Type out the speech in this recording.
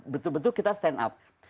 betul betul kita stand up